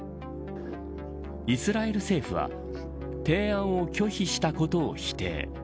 イスラエル政府は提案を拒否したことを否定。